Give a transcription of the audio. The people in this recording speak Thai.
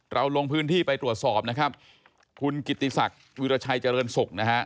ลงพื้นที่ไปตรวจสอบนะครับคุณกิติศักดิ์วิราชัยเจริญศุกร์นะฮะ